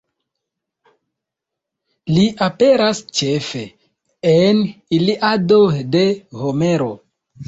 Li aperas ĉefe en Iliado de Homero.